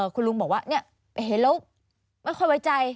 คุณลุงบอกว่าเห็นแล้วไม่ค่อยไว้ใจ